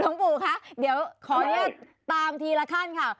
หลวงปู่คะเดี๋ยวขออนุญาตตามทีละขั้นค่ะ